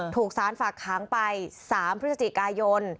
ถูกสารฝากค้างไป๓พฤศจิกายน